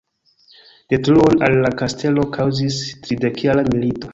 Detruon al la kastelo kaŭzis tridekjara milito.